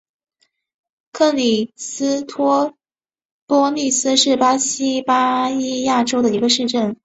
克里斯托波利斯是巴西巴伊亚州的一个市镇。